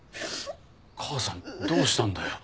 母さんどうしたんだよ？